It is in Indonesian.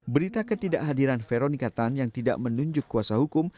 berita ketidakhadiran veronika tan yang tidak menunjuk kuasa hukum